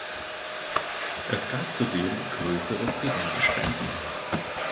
Es gab zudem größere private Spenden.